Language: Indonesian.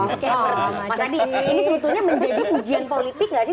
mas adi ini sebetulnya menjadi ujian politik gak sih